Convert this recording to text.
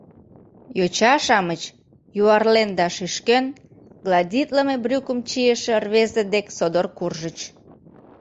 Йоча-шамыч, юарлен да шӱшкен, гладитлыме брюкым чийыше рвезе дек содор куржыч.